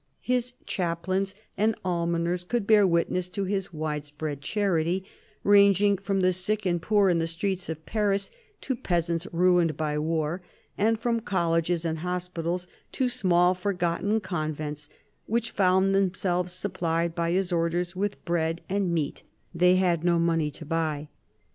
His chaplains and almoners could bear witness to his widespread charity, ranging from the sick and poor in the streets of Paris to peasants ruined by war, and from colleges and hospitals to small forgotten convents \yhich found themselves supplied, by his orders, with breM and meat they had no money to buy.